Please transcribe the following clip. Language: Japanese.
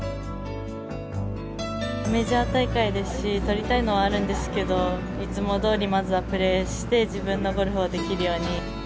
メジャー大会ですし、取りたいのはあるんですけれども、いつもどおり、まずはプレーして、自分のゴルフをできるように。